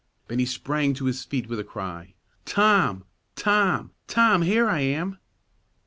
Bennie sprang to his feet with a cry. "Tom! Tom! Tom, here I am."